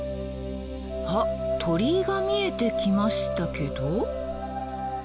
あっ鳥居が見えてきましたけど？